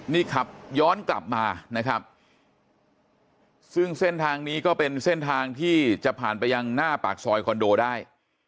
นี่ขับย้อนกลับมานะครับซึ่งเส้นทางนี้ก็เป็นเส้นทางที่จะผ่านไปยังหน้าปากซอยคอนโดได้